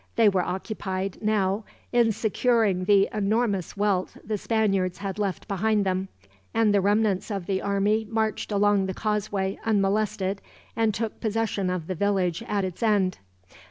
They were occupied, now, in securing the enormous wealth the Spaniards had left behind them; and the remnants of the army marched along the causeway unmolested, and took possession of the village at its end.